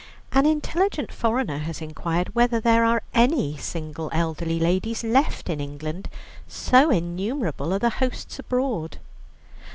An intelligent foreigner has inquired whether there are any single elderly ladies left in England, so innumerable are the hosts abroad.